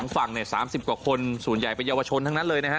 ฝั่ง๓๐กว่าคนส่วนใหญ่เป็นเยาวชนทั้งนั้นเลยนะฮะ